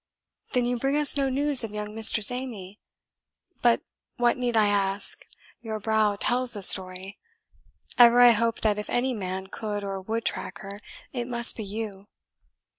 "Then you bring us no news of young Mistress Amy? But what need I ask your brow tells the story. Ever I hoped that if any man could or would track her, it must be you.